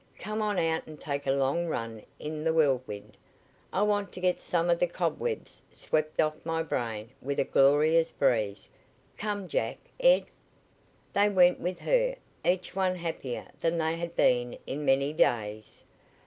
"Come on out and take a long run in the Whirlwind. I want to get some of the cobwebs swept off my brain with a glorious breeze. Come, Jack Ed." They went with her, each one happier than they had been in many days.